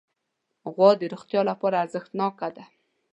غوا د روغتیا لپاره ارزښتناکه ده.